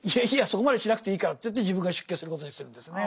そこまでしなくていいからっていって自分が出家することにするんですね。